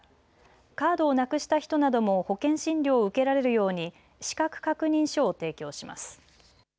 カードをなくした人なども保険診療を受けられるように資格確認書を提供します。